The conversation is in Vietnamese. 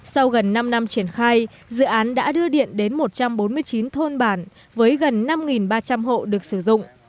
sau gần năm năm triển khai dự án đã đưa điện đến một trăm bốn mươi chín thôn bản với gần năm ba trăm linh hộ được sử dụng